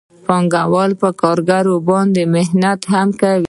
پانګوال په کارګرانو باندې منت هم کوي